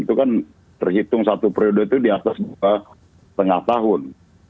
itu kan terhitung satu periode itu di atas dua lima tahun